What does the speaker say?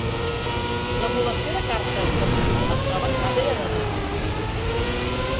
L'emulació de cartes de vudú es troba en fase de desenvolupament.